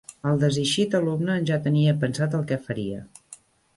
El deseixit alumne en ja tenia pensat el què faria.